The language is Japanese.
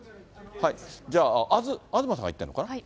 じゃあ、東さんが行ってるのかな。